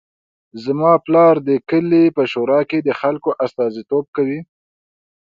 زما پلار د کلي په شورا کې د خلکو استازیتوب کوي